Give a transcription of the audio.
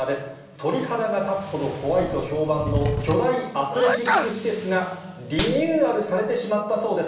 鳥肌が立つほど怖いと評判の巨大アスレチック施設が、リニューアルされてしまったそうです。